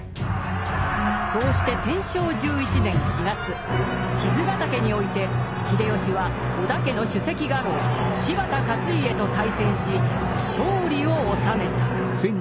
そうして天正１１年４月賤ヶ岳において秀吉は織田家の首席家老柴田勝家と対戦し勝利を収めた。